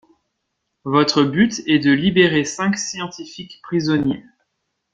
Votre but est de libérer cinq scientifiques prisonniers.